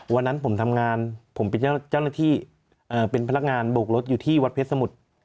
วันนั้นผมทำงานผมเป็นเจ้าหน้าที่เป็นพนักงานโบกรถอยู่ที่วัดเพชรสมุทร